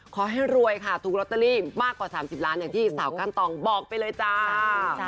ขอให้รวยค่ะถูกลอตเตอรี่มากกว่า๓๐ล้านอย่างที่สาวกั้นตองบอกไปเลยจ้า